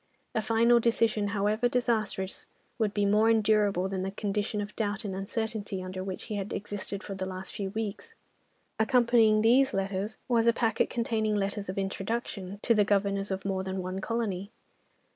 A final decision, however disastrous, would be more endurable than the condition of doubt and uncertainty under which he had existed for the last few weeks. Accompanying these letters was a packet containing letters of introduction to the Governors of more than one colony.